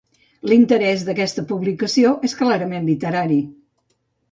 L'interès d'aquesta publicació és clarament literari.